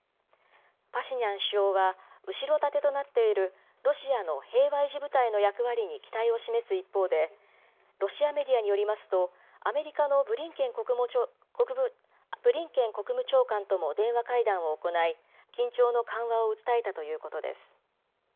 パシニャン首相は、後ろ盾となっているロシアの平和維持部隊の役割に期待を示す一方で、ロシアメディアによりますと、アメリカのブリンケン国務長官とも電話会談を行い、緊張の緩和を訴えたということです。